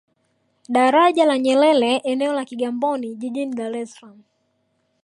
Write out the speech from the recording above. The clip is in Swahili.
Daraja la Nyerere eneo la Kigamboni jijini Dar es salaam